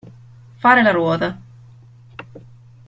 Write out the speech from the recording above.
Fare la ruota.